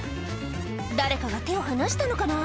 誰かが手を離したのかな？